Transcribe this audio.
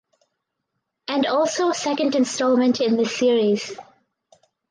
And also second installment in this series.